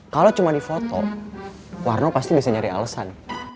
kalau cuma di foto warna pasti bisa nyari alesan